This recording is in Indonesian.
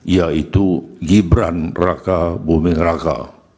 yaitu gibran raka buming raka